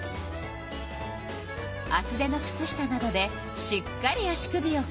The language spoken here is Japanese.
あつ手のくつ下などでしっかり足首をカバー。